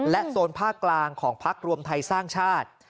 โซนภาคกลางของพักรวมไทยสร้างชาติ